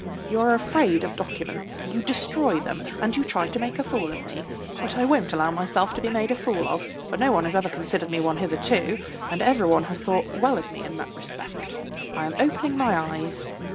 You are afraid of documents, you destroy them, and you try to make a fool of me. But I won't allow myself to be made a fool of, for no one has ever considered me one hitherto, and every one has thought well of me in that respect. I am opening my eyes.